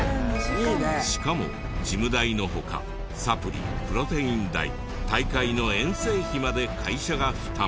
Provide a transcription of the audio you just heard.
しかもジム代の他サプリプロテイン代大会の遠征費まで会社が負担。